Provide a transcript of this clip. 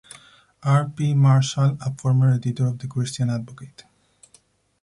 R. P. Marshall, a former editor of the Christian Advocate.